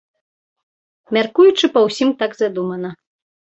Мяркуючы па ўсім, так задумана.